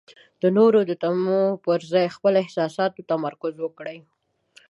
د نورو د تمو پر ځای پر خپل احساس تمرکز وکړئ.